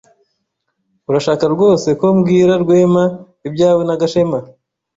Urashaka rwose ko mbwira Rwema ibyawe na Gashema?